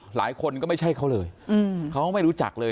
หลายคนก็ไม่ใช่เขาเลยเขาไม่รู้จักเลย